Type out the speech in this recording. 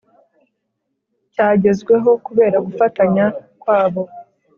cyagezweho kubera gufatanya kwabo.